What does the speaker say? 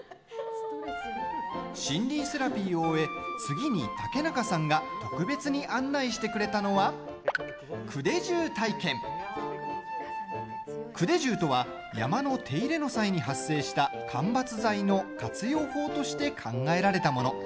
森林セラピーを終え次に竹中さんが特別に案内してくれたのは組手什とは山の手入れの際に発生した間伐材の活用法として考えられたもの。